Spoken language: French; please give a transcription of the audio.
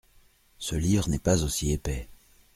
Ce livre n’est pas aussi épais.